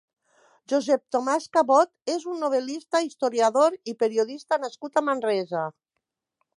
Josep Tomàs Cabot és un novel·lista, historiador i periodista nascut a Manresa.